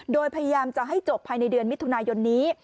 โดยพยายามจะให้จบภายในเดือนมิถุนายนนี้